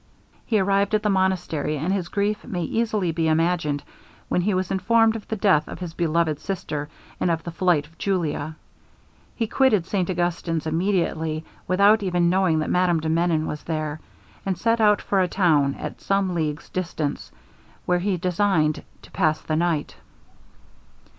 He arrived at the monastery, and his grief may easily be imagined, when he was informed of the death of his beloved sister, and of the flight of Julia. He quitted St Augustin's immediately, without even knowing that Madame de Menon was there, and set out for a town at some leagues distance, where he designed to pass the night.